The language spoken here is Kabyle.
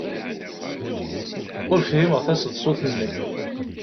Ur fhimeɣ taseḍsut-nni.